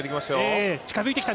近づいてきた。